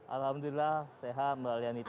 alhamdulillah sehat mbak lianita